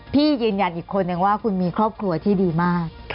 พี่ยืนยันอีกคนนึงว่าคุณมีครอบครัวที่ดีมาก